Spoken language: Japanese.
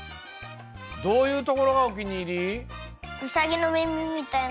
どういうところがおきにいり？